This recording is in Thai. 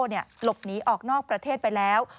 หลบหนีออกนอกประเทศไปแล้ว